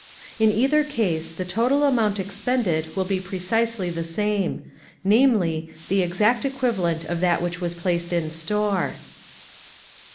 In either case the total amount expended will be precisely the same namely, the exact equivalent of that which was placed in store.